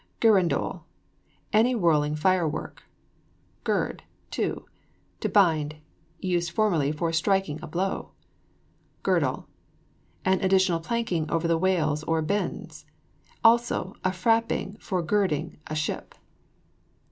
GIRANDOLE. Any whirling fire work. GIRD, TO. To bind; used formerly for striking a blow. GIRDLE. An additional planking over the wales or bends. Also, a frapping for girding a ship.